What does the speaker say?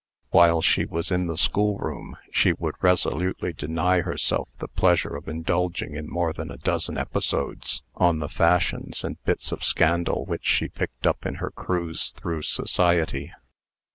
While she was in the schoolroom, she would resolutely deny herself the pleasure of indulging in more than a dozen episodes on the fashions and bits of scandal which she picked up in her cruise through society.